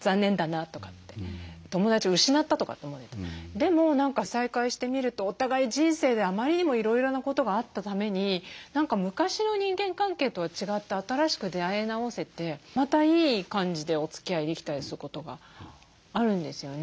でも再会してみるとお互い人生であまりにもいろいろなことがあったために昔の人間関係とは違って新しく出会え直せてまたいい感じでおつきあいできたりすることがあるんですよね。